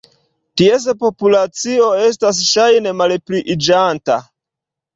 Ties populacio estas ŝajne malpliiĝanta.